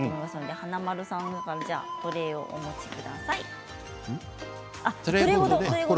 華丸さんトレーをお持ちください。